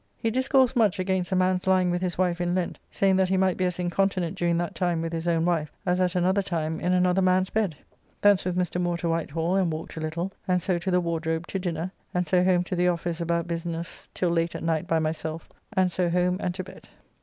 He discoursed much against a man's lying with his wife in Lent, saying that he might be as incontinent during that time with his own wife as at another time in another man's bed. Thence with Mr. Moore to Whitehall and walked a little, and so to the Wardrobe to dinner, and so home to the office about business till late at night by myself, and so home and to bed.